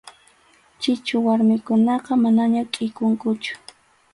Chichu warmikunaqa manaña kʼikunkuchu.